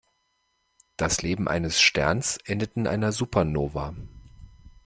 Das Leben eines Sterns endet in einer Supernova.